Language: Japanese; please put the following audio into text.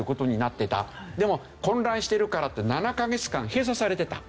でも混乱してるからって７カ月間閉鎖されてた。